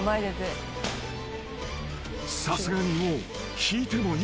［さすがにもう引いてもいい］